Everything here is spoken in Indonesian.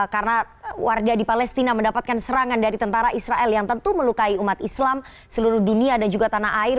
karena warga di palestina mendapatkan serangan dari tentara israel yang tentu melukai umat islam seluruh dunia dan juga tanah air